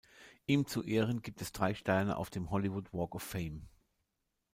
Ihm zu Ehren gibt es drei Sterne auf dem Hollywood Walk of Fame.